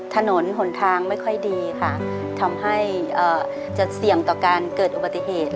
ถนนหนทางไม่ค่อยดีค่ะทำให้จะเสี่ยงต่อการเกิดอุบัติเหตุ